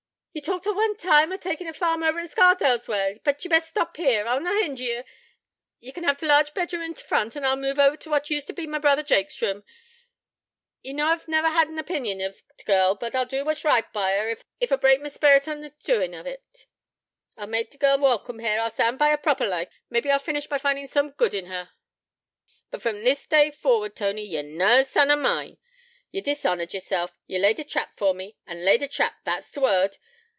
'Ye talked at one time o' takin' a farm over Scarsdale way. But ye'd best stop here. I'll no hinder ye. Ye can have t' large bedroom in t' front, and I'll move ower to what used to be my brother Jake's room. Ye knaw I've never had no opinion of t' girl, but I'll do what's right by her, ef I break my sperrit in t' doin' on't. I'll mak' t' girl welcome here: I'll stand by her proper like: mebbe I'll finish by findin' soom good in her. But from this day forward, Tony, ye're na son o' mine. Ye've dishonoured yeself: ye've laid a trap for me ay, laid a trap, that's t' word.